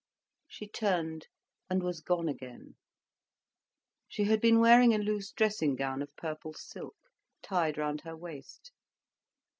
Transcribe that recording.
She turned and was gone again. She had been wearing a loose dressing gown of purple silk, tied round her waist.